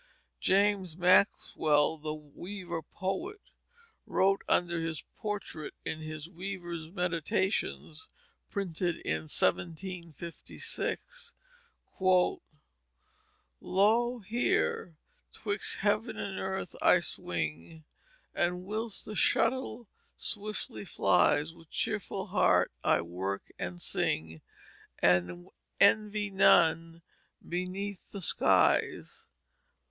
James Maxwell, the weaver poet, wrote under his portrait in his Weaver's Meditations, printed in 1756: "Lo! here 'twixt Heaven and Earth I swing, And whilst the Shuttle swiftly flies, With cheerful heart I work and sing And envy none beneath the skies."